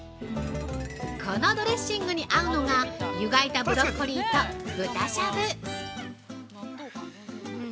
◆このドレッシングに合うのが、湯がいたブロッコリーと豚しゃぶ。